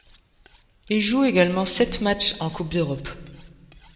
Il joue également sept matchs en Coupe d'Europe.